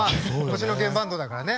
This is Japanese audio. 星野源バンドだからね。